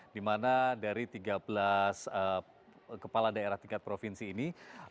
dimana dari tiga belas kepala daerah tingkat provinsi ini